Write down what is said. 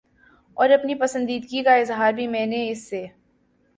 اور اپنی پسندیدگی کا اظہار بھی میں نے اس سے